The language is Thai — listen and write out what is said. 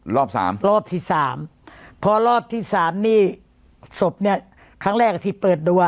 รอบสามรอบที่สามพอรอบที่สามนี่ศพเนี้ยครั้งแรกที่เปิดตัว